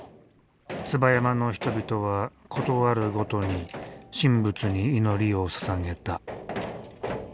椿山の人々はことあるごとに神仏に祈りをささげた。